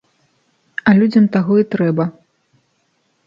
А людзям таго і трэба.